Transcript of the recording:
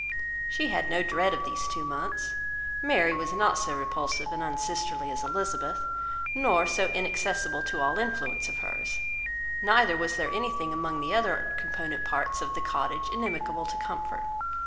She had no dread of these two months. Mary was not so repulsive and unsisterly as Elizabeth, nor so inaccessible to all influence of hers; neither was there anything among the other component parts of the cottage inimical to comfort.